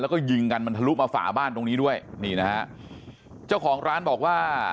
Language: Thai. แล้วก็ยิงกันมันทะลุมาฝาบ้านตรงนี้ด้วยนี่นะฮะเจ้าของร้านบอกว่า